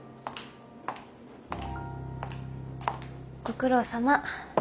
ご苦労さま。